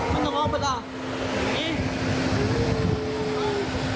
มันจะลงไปแบบนี้